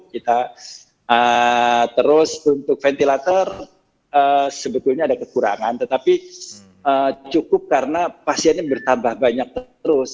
kita terus untuk ventilator sebetulnya ada kekurangan tetapi cukup karena pasiennya bertambah banyak terus